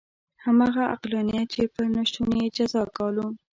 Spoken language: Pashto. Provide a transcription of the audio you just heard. همغه عقلانیت چې په نه شتون یې جزا ګالو.